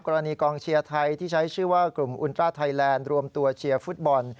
กรณีกองเชียร์ไทยที่ใช้ชื่อว่ากลุ่มอุณตราไทยแลนด์รวมตัวเชียร์ฟุตบอล